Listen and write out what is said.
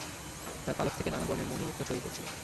তার পালক থেকে নানা বর্ণের মণি-মুক্তা ছড়িয়ে পড়ছিল।